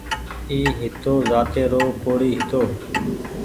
اي هتو زاتي رو ڪوڙي هيتو